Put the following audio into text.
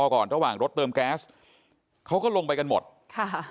ก่อนระหว่างรถเติมแก๊สเขาก็ลงไปกันหมดค่ะ